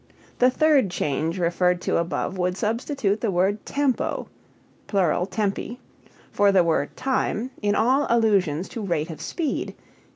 The third change referred to above would substitute the word tempo (plural tempi) for the word time in all allusions to rate of speed.